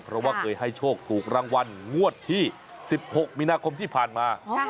เพราะว่าเคยให้โชคถูกรางวัลงวดที่๑๖มีนาคมที่ผ่านมา